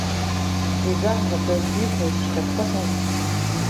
Les arbres peuvent vivre jusqu'à trois cents ans.